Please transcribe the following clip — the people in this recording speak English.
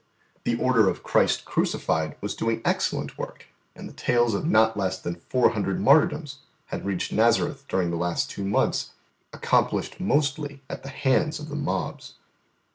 The Order of Christ Crucified was doing excellent work, and the tales of not less than four hundred martyrdoms had reached Nazareth during the last two months, accomplished mostly at the hands of the mobs.